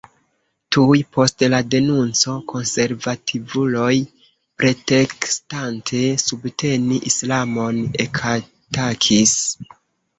Tuj post la denunco konservativuloj, pretekstante subteni islamon, ekatakis.